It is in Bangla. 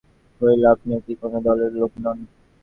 কহিল, আপনিও কি কোনো দলের লোক নন?